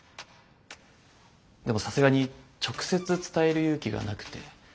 でもさすがに直接伝える勇気がなくて。